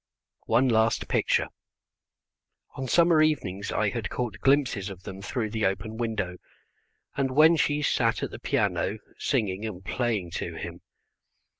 One last picture. On summer evenings I had caught glimpses of them through the open window, when she sat at the piano singing and playing to him.